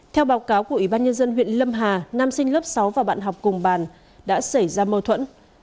theo báo cáo của ubnd huyện lâm hà nam sinh lớp sáu và bạn học cùng bàn đã xảy ra mâu thuẫn